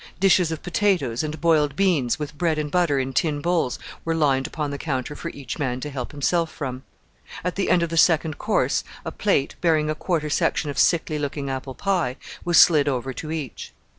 Dishes of potatoes and boiled beans, with bread and butter in tin bowls, were lined upon the counter for each man to help himself from. At the end of the second course a plate, bearing a quarter section of sickly looking apple pie, was slid over to each.